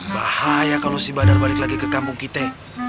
bahaya kalau si badar balik lagi ke kampung kita